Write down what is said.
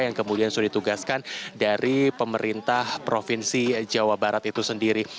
yang kemudian sudah ditugaskan dari pemerintah provinsi jawa barat itu sendiri